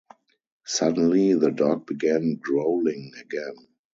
Suddenly the dog began growling again.